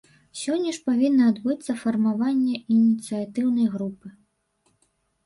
Сёння ж павінна адбыцца фармаванне ініцыятыўнай групы.